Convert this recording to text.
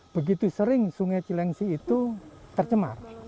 begitu sering sungai cilengsi itu tercemar